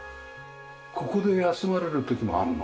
ここで休まれる時もあるの？